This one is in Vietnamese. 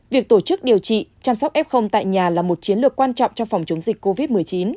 việc tổ chức điều trị chăm sóc f tại nhà là một chiến lược quan trọng trong phòng chống dịch covid một mươi chín